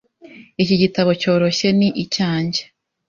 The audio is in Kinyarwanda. Iki gitabo cyoroshye ni icyanjye .